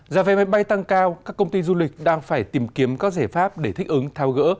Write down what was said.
giá vé máy bay tăng cao các công ty du lịch đang phải tìm kiếm các giải pháp để thích ứng thao gỡ